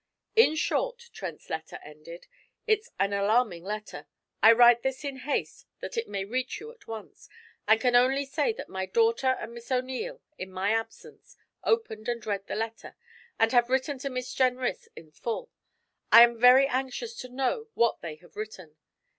'In short,' Trent's letter ended, 'it's an alarming letter. I write this in haste that it may reach you at once, and can only say that my daughter and Miss O'Neil, in my absence, opened and read the letter, and have written to Miss Jenrys in full. I am very anxious to know what they have written.